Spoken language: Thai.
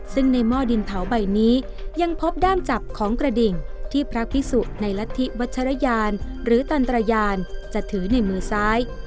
ซึ่งในหม้อดินเผาใบนี้ยังพบด้ามจับของกระดิ่งที่พระพิสุในรัฐธิวัชรยานหรือตันตรยานจะถือในมือซ้าย